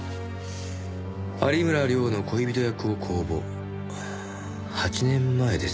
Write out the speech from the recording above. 「有村亮の恋人役を公募」８年前ですね。